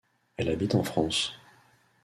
Elle habite en France.